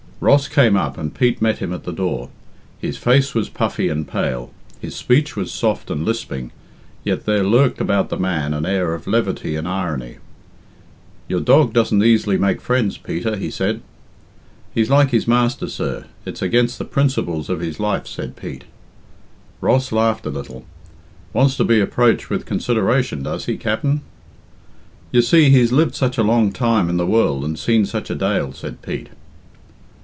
Ross came up, and Pete met him at the door. His face was puffy and pale, his speech was soft and lisping, yet there lurked about the man an air of levity and irony. "Your dog doesn't easily make friends, Peter," he said. "He's like his master, sir; it's against the principles of his life," said Pete. Ross laughed a little. "Wants to be approached with consideration, does he, Capt'n?" "You see, he's lived such a long time in the world and seen such a dale," said Pete.